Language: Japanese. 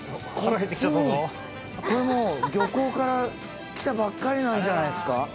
こっちにこれもう漁港から来たばっかりなんじゃないですか？